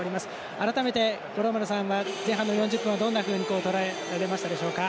改めて、五郎丸さんは前半４０分をどんなふうにとらえられたでしょうか？